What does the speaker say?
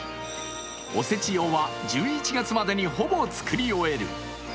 おせち用は１１月までにほぼ作り終える。